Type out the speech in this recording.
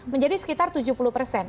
menjadi sekitar tujuh puluh persen